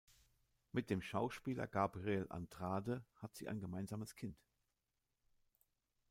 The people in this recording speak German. Mit dem Schauspieler Gabriel Andrade hat sie ein gemeinsames Kind.